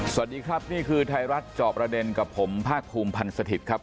สวัสดีครับนี่คือไทยรัฐจอบประเด็นกับผมภาคภูมิพันธ์สถิตย์ครับ